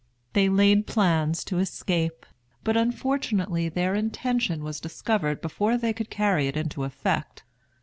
They laid plans to escape; but unfortunately their intention was discovered before they could carry it into effect.